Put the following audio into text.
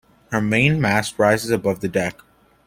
Her main mast rises above the deck.